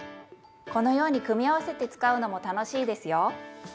このように組み合わせて使うのも楽しいですよ。